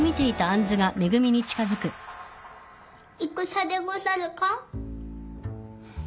戦でござるか？